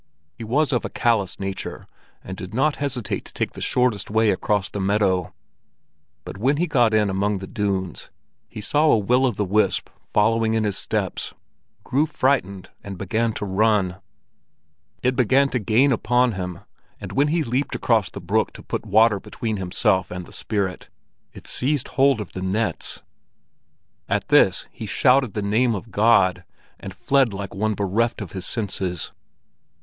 He was of a callous nature, and did not hesitate to take the shortest way across the meadow; but when he got in among the dunes, he saw a will o' the wisp following in his steps, grew frightened, and began to run. It began to gain upon him, and when he leaped across the brook to put water between himself and the spirit, it seized hold of the nets. At this he shouted the name of God, and fled like one bereft of his senses.